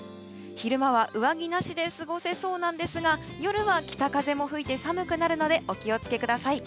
昼間は上着なしで過ごせそうなんですが夜は北風も吹いて寒くなるのでお気を付けください。